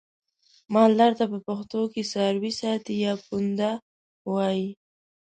مالدار ته په پښتو کې څارويساتی یا پوونده وایي.